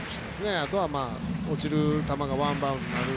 あとは、落ちる球がワンバウンドになる。